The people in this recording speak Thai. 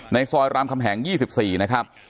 ซอยรามคำแหง๒๔นะครับ